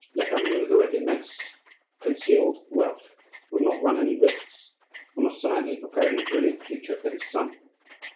Lecamus, who had immense concealed wealth, would not run any risks, and was silently preparing a brilliant future for his son.